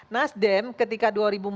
nasdem ketika dua ribu empat belas